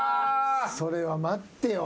それは待ってよ。